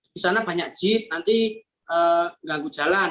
di sana banyak jeep nanti ganggu jalan